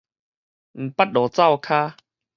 毋捌落灶跤